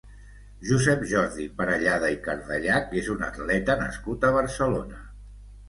Josep Jordi Parellada i Cardellach és un atleta nascut a Barcelona.